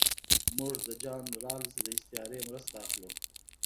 موږ د جان رالز د استعارې مرسته اخلو.